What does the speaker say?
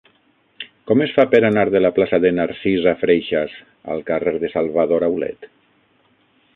Com es fa per anar de la plaça de Narcisa Freixas al carrer de Salvador Aulet?